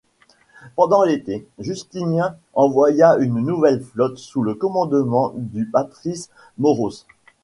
Pendant l'été, Justinien envoya une nouvelle flotte sous le commandement du patrice Mauros.